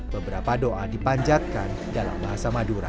beberapa doa dipanjatkan dalam bahasa madura